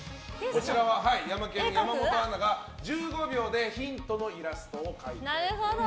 こちらは山本アナが１５秒でヒントのイラストを描いてくれます。